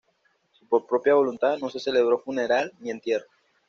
Por propia voluntad no se celebró funeral ni entierro.